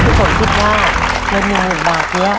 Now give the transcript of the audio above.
คุณฝนคิดว่าเรื่องงานหลุดบากนี้